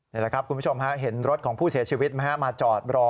นี่แหละครับคุณผู้ชมฮะเห็นรถของผู้เสียชีวิตมาจอดรอ